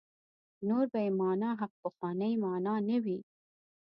نور به یې معنا هغه پخوانۍ معنا نه وي.